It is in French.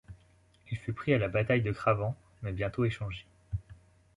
Il fut pris à la bataille de Cravant, mais bientôt échangé.